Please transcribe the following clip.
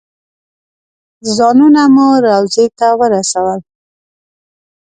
ځانونه مو روضې ته ورسول.